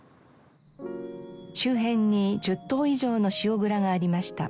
周辺に１０棟以上の塩倉がありました。